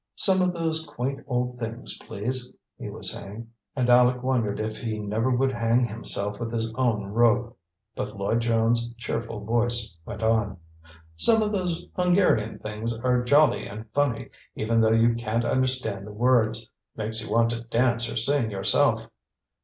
"Some of those quaint old things, please," he was saying; and Aleck wondered if he never would hang himself with his own rope. But Lloyd Jones' cheerful voice went on: "Some of those Hungarian things are jolly and funny, even though you can't understand the words. Makes you want to dance or sing yourself."